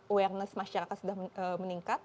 awareness masyarakat sudah meningkat